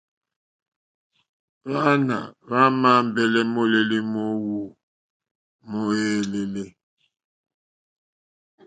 Hwàana hwa ambɛlɛ mòlèli mo awu mo èlèlè.